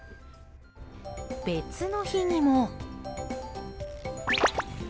別の日にも。